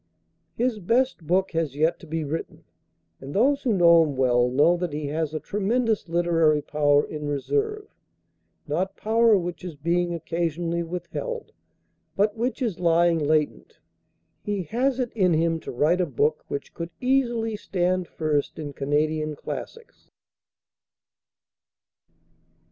His best book has yet to be written, and those who know him well, know that he has a tremendous literary power in reserve, not power which is being occasionally withheld, but which is lying latent. He has it in him to write a book which could easily stand first in Canadian classics."